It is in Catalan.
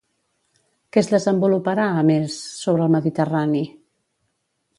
Què es desenvoluparà, a més, sobre el Mediterrani?